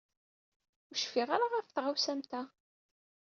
Ur cfiɣ ara ɣef tɣawsa am ta.